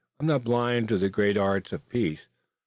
"I'm not blind to the great arts of peace.